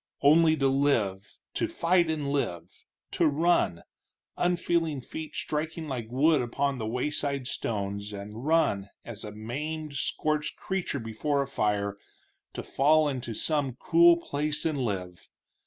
Only to live, to fight and live, to run, unfeeling feet striking like wood upon the wayside stones, and run, as a maimed, scorched creature before a fire, to fall into some cool place and live.